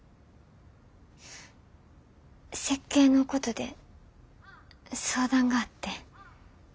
設計のことで相談があって。